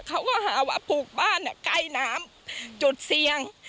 เขาก็หาว่าปลูกบ้านใกล้น้ำจุดเสี่ยง